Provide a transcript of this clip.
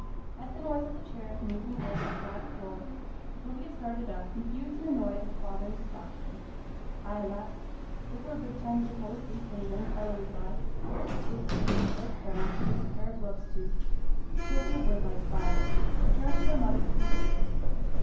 At the noise of the chairs moving over the flag floor, Sylvia started up, confused and annoyed at her father's laughter. 'Ay, lass; it's iver a good time t' fall asleep when a young fellow is by. Here's Philip here as thou'rt bound t' give a pair o' gloves to.' Sylvia went like fire; she turned to her mother to read her face.